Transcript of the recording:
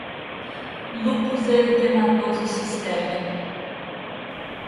Lupus Eritematoso Sistémico